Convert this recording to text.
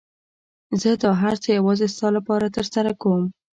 زه دا هر څه يوازې ستا لپاره ترسره کوم.